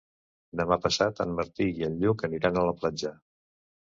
Demà passat en Martí i en Lluc aniran a la platja.